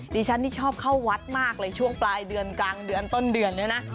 ดิฉันนี่ชอบเข้าวัดมากเลยช่วงปลายเดือนกลางเดือนต้นเดือนเนี่ยนะ